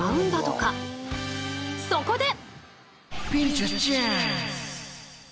そこで！